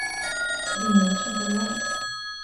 Ему очень понравилось.